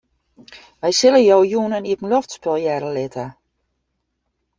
Wy sille jo jûn in iepenloftspul hearre litte.